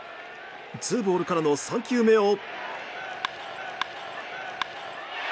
ツーボールからの３球目を。